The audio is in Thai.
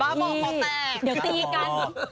เดี๋ยวตีกัน